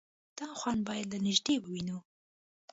_دا خوند بايد له نږدې ووينو.